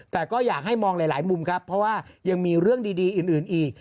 แต่ก็อยากให้มองหลายมุมครับเพราะว่ายังมีเรื่องดีอื่นอีก